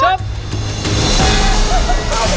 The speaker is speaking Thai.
เปาแพ้เลย